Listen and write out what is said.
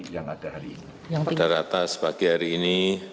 yang ada rata sebagian hari ini